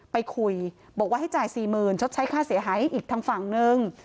ไปคุยบอกว่าให้จ่าย๔๐๐๐ชดใช้ค่าเสียหายให้อีกทางฝั่งนึง